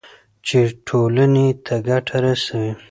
چې ټولنې ته ګټه رسوي.